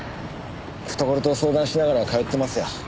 懐と相談しながら通ってますよ。